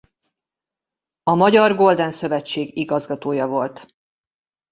A Magyar Golden Szövetség igazgatója volt.